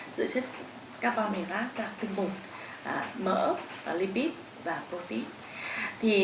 giữa chất carbonic acid tinh bụng mỡ lipid và protein